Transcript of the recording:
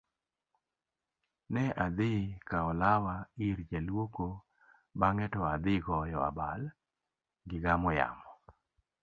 ne adhi kawo lawa ir jaluoko bang'e to adhi goyo abal gigamo yamo